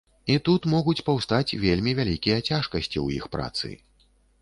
І тут могуць паўстаць вельмі вялікія цяжкасці ў іх працы.